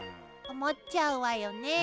思っちゃうわよね。